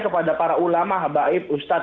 kepada para ulama habaib ustadz